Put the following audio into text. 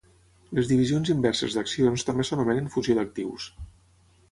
Les divisions inverses d'accions també s'anomenen fusió d'actius.